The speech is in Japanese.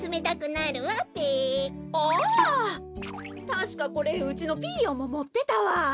たしかこれうちのピーヨンももってたわ。